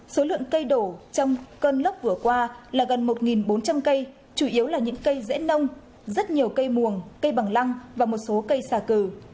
số lượng cây đổ trong cơn lốc vừa qua là gần một bốn trăm linh cây chủ yếu là những cây dễ nông rất nhiều cây muồng cây bằng lăng và một số cây xà cừ